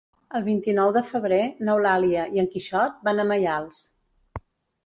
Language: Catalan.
El vint-i-nou de febrer n'Eulàlia i en Quixot van a Maials.